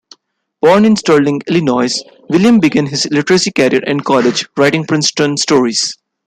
Born in Sterling, Illinois, Williams began his literary career in college, writing Princeton Stories.